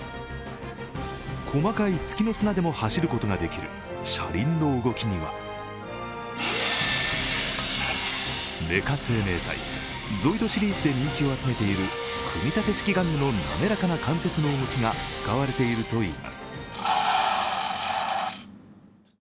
細かい月の砂でも走ることができる車輪の動きにはメカ生命体、ＺＯＩＤＳシリーズで人気を集めている組み立て式玩具の滑らかな関節の動きが使われているといいます。